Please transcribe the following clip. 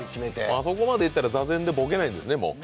あそこまで行ったら座禅でもボケないんですね。